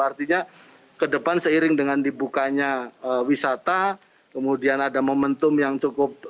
artinya ke depan seiring dengan dibukanya wisata kemudian ada momentum yang cukup